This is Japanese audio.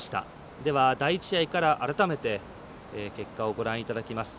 では、第１試合から改めて結果をご覧いただきます。